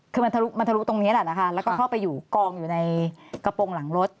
คือมันทะมันทะลุตรงนี้แหละนะคะแล้วก็เข้าไปอยู่กองอยู่ในกระโปรงหลังรถ